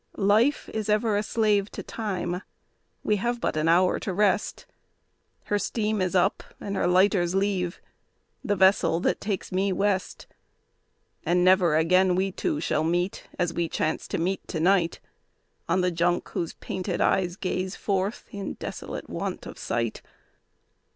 Life is ever a slave to Time; we have but an hour to rest, Her steam is up and her lighters leave, the vessel that takes me west; And never again we two shall meet, as we chance to meet to night, On the Junk, whose painted eyes gaze forth, in desolate want of sight.